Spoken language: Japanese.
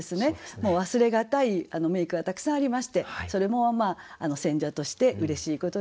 もう忘れがたい名句がたくさんありましてそれも選者としてうれしいことでありました。